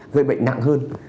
gây bệnh nặng hơn